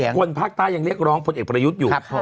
คนภาคใต้ยังเรียกร้องพลเอกประยุทธ์อยู่